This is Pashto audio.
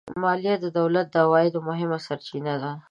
مالیه د دولت د عوایدو مهمه سرچینه ده